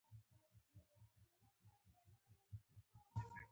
دا ضرورتونو ده.